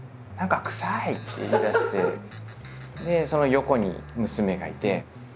その横に娘がいて。